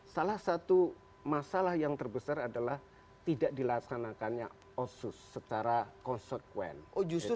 salah satu masalah yang terbesar adalah tidak dilaksanakannya osus secara konsekuen oh justru